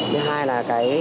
thứ hai là